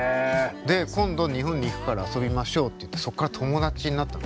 今度日本に行くから遊びましょうっていってそこから友達になったの。